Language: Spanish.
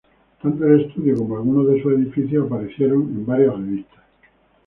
Tanto el estudio como algunos de sus edificios aparecieron en varias revistas.